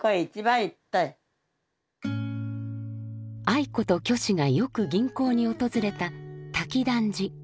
愛子と虚子がよく吟行に訪れた瀧谷寺。